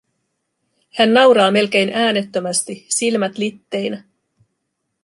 Hän nauraa melkein äänettömästi, silmät litteinä.